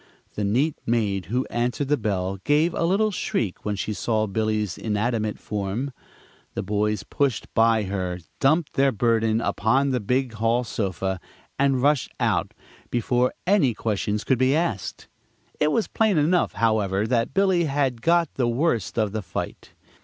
The neat maid who answered the bell gave a little shriek when she saw Billy's inanimate form. The boys pushed by her, dumped their burden upon the big hall sofa, and rushed out before any questions could be asked. It was plain enough, however, that Billy had got the worst of the fight.